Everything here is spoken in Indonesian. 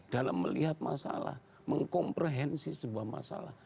dalam melihat masalah mengkomprehensi sebuah masalah